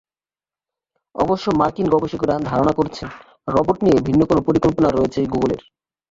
অবশ্য মার্কিন গবেষকেরা ধারণা করছেন, রোবট নিয়ে ভিন্ন কোনো পরিকল্পনা রয়েছে গুগলের।